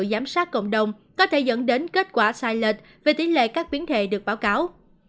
giám sát cộng đồng có thể dẫn đến kết quả sai lệch về tỷ lệ các biến thể được báo cáo